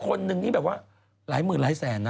คนนึงนี่แบบว่าหลายหมื่นหลายแสนนะ